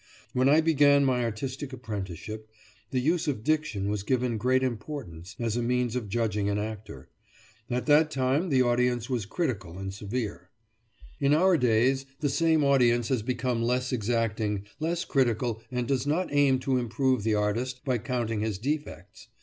When I began my artistic apprenticeship, the use of diction was given great importance, as a means of judging an actor. At that time the audience was critical and severe. In our days, the same audience has become less exacting, less critical, and does not aim to improve the artist, by counting his defects.